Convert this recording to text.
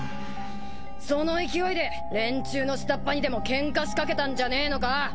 その勢いで連中の下っ端にでもケンカ仕掛けたんじゃねえのか？